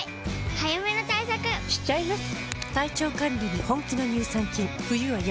早めの対策しちゃいます。